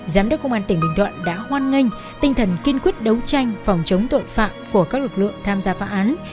giám đốc công an tỉnh bình thuận đã hoan nghênh tinh thần kiên quyết đấu tranh phòng chống tội phạm của các lực lượng tham gia phá án